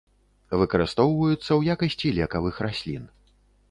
Выкарыстоўваюцца ў якасці лекавых раслін.